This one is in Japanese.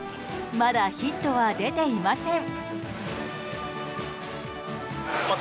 まだヒットは出ていません。